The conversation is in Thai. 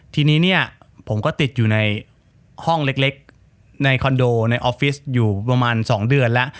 ทีนี้เนี่ยผมก็ติดอยู่ในห้องเล็กในคอนโดในออฟฟิศอยู่ประมาณ๒เดือนแล้ว